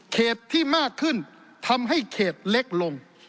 เขตที่มากขึ้นทำให้เขตเล็กลง